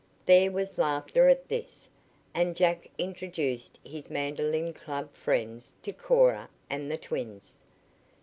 There was laughter at this, and Jack introduced his mandolin club friends to Cora and the twins.